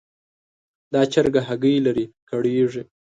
دا چرګه هګۍ لري؛ کړېږي.